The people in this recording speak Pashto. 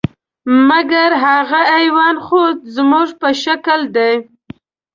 مګر هغه حیوان خو زموږ په شکل دی .